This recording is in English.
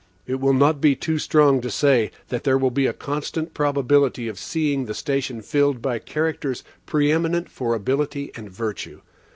It will not be too strong to say, that there will be a constant probability of seeing the station filled by characters pre eminent for ability and virtue.